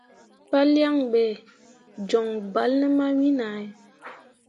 Palyaŋ ɓe joŋ bal ne mawin ahe.